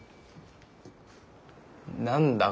何だ？